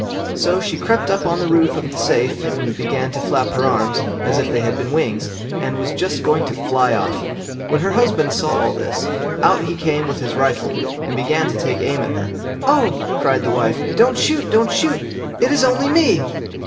So she crept up on the roof of the safe and began to flap her arms, as if they had been wings, and was just going to fly off. When her husband saw all this, out he came with his rifle, and began to take aim at her. "Oh!" cried his wife, "don't shoot, don't shoot! it is only me."